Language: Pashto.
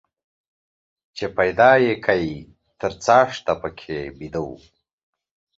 چې پيدا يې کى تر څاښته پکښي بيده وو.